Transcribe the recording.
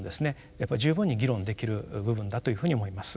やっぱ十分に議論できる部分だというふうに思います。